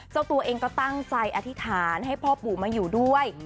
เจ้าตัวเองก็ตั้งใจอธิษฐานให้พ่อปู่มาอยู่ด้วย